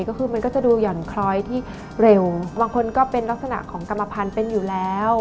ก็คือมันก็จะดูหย่อนคล้อยที่เร็วบางคนก็เป็นลักษณะของกรรมพันธุ์เป็นอยู่แล้ว